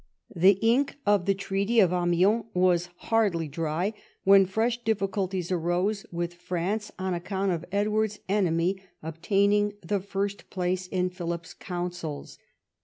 The ink of the Treaty of Amiens was hardly dry when fresh difficulties arose with France on account of Edward's enemy obtain ing the first place in Philip's councils.